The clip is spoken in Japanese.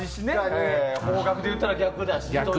方角で言ったら逆だし。